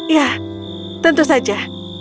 ya tentu saja